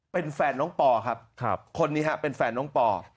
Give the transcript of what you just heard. เป็นแฟนน้องปอครับคนนี้ฮะเป็นแฟนน้องปอ